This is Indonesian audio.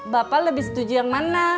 bapak lebih setuju yang mana